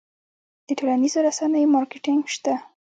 د ټولنیزو رسنیو مارکیټینګ شته؟